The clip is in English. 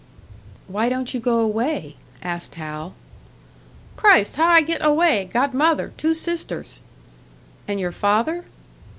"Why don't you go away?" asked Hal. "Christ! How I get away? Got mother, two sisters." "And your father?"